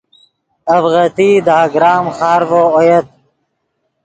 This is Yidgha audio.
اڤغتئی دے اگرام خارڤو اویت